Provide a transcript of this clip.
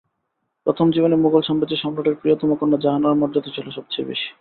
প্রথম জীবনে মোগল সাম্রাজ্যে সম্রাটের প্রিয়তম কন্যা জাহানারার মর্যাদা ছিল সবচেয়ে বেশি।